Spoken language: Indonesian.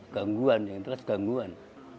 gangguan yang terakhir gangguan